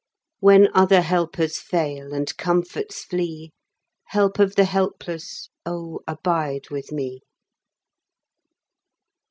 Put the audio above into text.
When other helpers fail, and comforts flee, Help of the helpless, oh, abide with me!